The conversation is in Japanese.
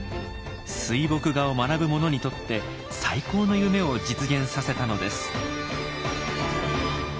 水墨画を学ぶ者にとって最高の夢を実現させたのです。